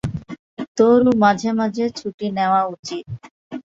তোরও মাঝে মাঝে ছুটি নেওয়া উচিত।